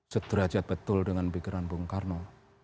sederajat betul dengan pikiran bung karno